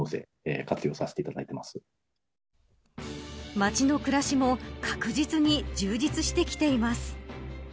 町の暮らしも確実に充実してきています。